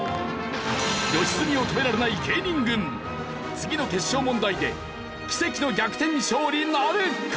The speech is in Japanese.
良純を止められない芸人軍次の決勝問題で奇跡の逆転勝利なるか！？